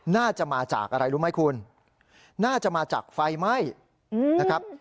น่าจะมาจากอะไรรู้ไหมคุณน่าจะมาจากไฟไหม้นะครับ